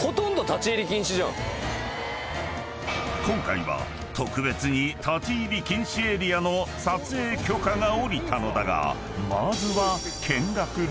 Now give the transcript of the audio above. ［今回は特別に立ち入り禁止エリアの撮影許可が降りたのだが］